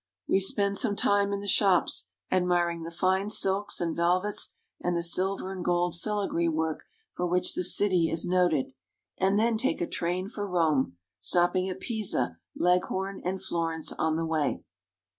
We spend some time in the shops, admiring the fine silks and velvets and the silver and gold filigree work for which the city is 410 ITALY. noted, and then take a train for Rome, stopping at Pisa, Leghorn, and Florence on the way.